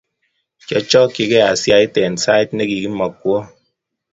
Kiachokchikei asiat eng sait nekikimokwo